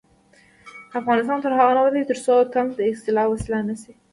افغانستان تر هغو نه ابادیږي، ترڅو طنز د اصلاح وسیله نشي.